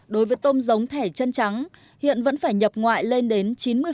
đối với tôm giống thẻ chân trắng hiện vẫn phải nhập ngoại lên đến chín mươi